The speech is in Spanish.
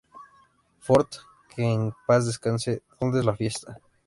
Fort que en paz descanse, donde es la fiesta?